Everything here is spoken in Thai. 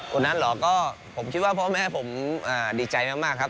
นั้นเหรอก็ผมคิดว่าพ่อแม่ผมดีใจมากครับ